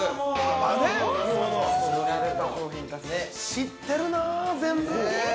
◆知ってるな、全部。